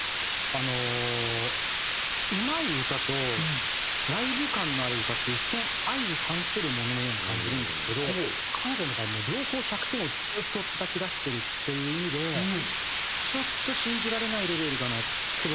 あのうまい歌とライブ感のある歌って一見相反するもののように感じるんですけど彼女の場合両方１００点をずっとたたき出してるっていう意味でちょっと信じられないレベルだなって僕は思ってます。